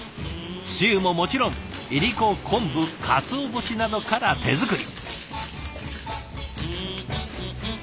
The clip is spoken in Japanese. つゆももちろんいりこ昆布かつお節などから手作り。